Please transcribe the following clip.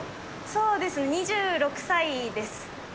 そうですね、２６歳です。